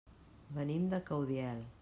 Venim de Caudiel.